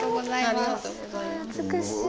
すごい美しい。